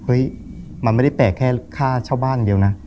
เฮ้ยมันไม่ได้แปลกแค่ค่าเช่าบ้านเดียวนะ